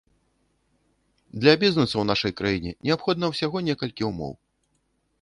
Для бізнэсу ў нашай краіне неабходна ўсяго некалькі умоў.